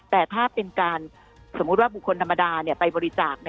แต่ถ้าเป็นการสมมุติว่าบุคคลธรรมดาไปบริจาค